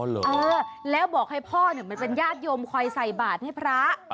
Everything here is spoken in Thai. เราบอกพ่อมันอย่างยาชโยมคอยใส่บาทให้พระ